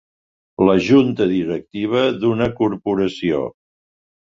La junta directiva d'una corporació.